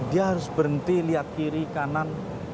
dia harus berhenti lihat kiri kanan